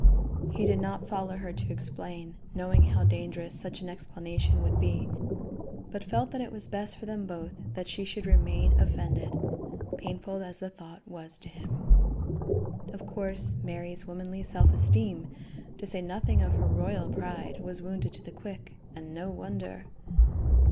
He did not follow her to explain, knowing how dangerous such an explanation would be, but felt that it was best for them both that she should remain offended, painful as the thought was to him. Of course, Mary's womanly self esteem, to say nothing of her royal pride, was wounded to the quick, and no wonder.